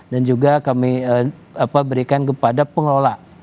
dan juga kami berikan kepada pengelola